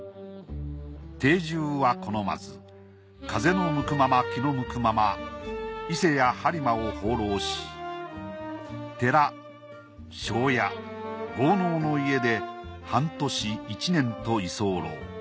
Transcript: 定住は好まず風のむくまま気の向くまま伊勢や播磨を放浪し寺庄屋豪農の家で半年１年と居候。